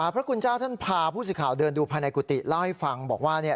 พระคุณเจ้าท่านพาผู้สื่อข่าวเดินดูภายในกุฏิเล่าให้ฟังบอกว่าเนี่ย